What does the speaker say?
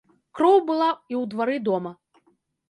Кроў была і ў двары дома.